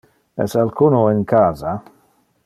Es alcuno in casa?